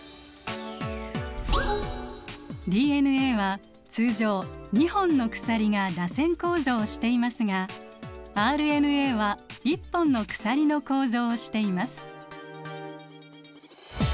ＤＮＡは通常２本の鎖がらせん構造をしていますがＲＮＡは１本の鎖の構造をしています。